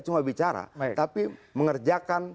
cuma bicara tapi mengerjakan